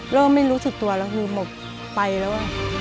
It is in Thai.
ไม่รู้สึกตัวแล้วคือหมดไปแล้ว